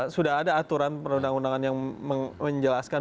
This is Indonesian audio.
sudah ada aturan perundang undangan yang menjelaskan